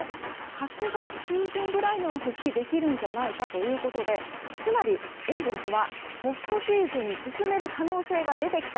８月中旬ぐらいには復帰できるんじゃないかということでつまりエンゼルスはポストシーズンに進める可能性が出てきた。